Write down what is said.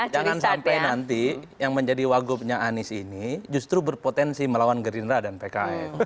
jangan sampai nanti yang menjadi wagubnya anies ini justru berpotensi melawan gerindra dan pks